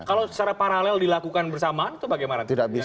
kalau secara paralel dilakukan bersamaan itu bagaimana